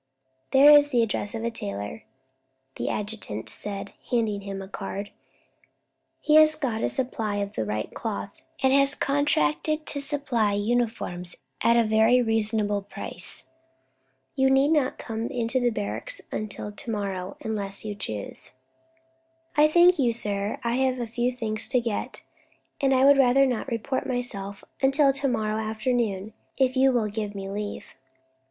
"There is the address of a tailor," the adjutant said, handing him a card; "he has got a supply of the right cloth, and has contracted to supply uniforms at a very reasonable price. You need not come into barracks until to morrow, unless you choose." "I thank you, sir. I have a few things to get, and I would rather not report myself until to morrow afternoon, if you will give me leave."